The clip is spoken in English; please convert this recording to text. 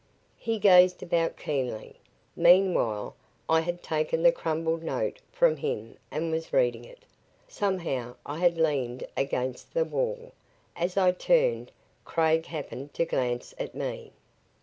He gazed about keenly. Meanwhile, I had taken the crumpled note from him and was reading it. Somehow, I had leaned against the wall. As I turned, Craig happened to glance at me.